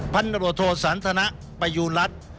พันธุโรโทษสันตนักประยุรัติ